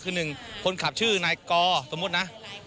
คือหนึ่งคนขับชื่อนายกอสมมุตินะ